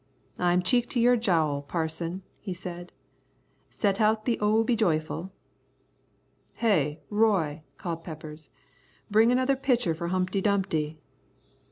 "I'm cheek to your jowl, Parson," he said; "set out the O be joyful." "Hey, Roy!" called Peppers, "bring another pitcher for Humpty Dumpty."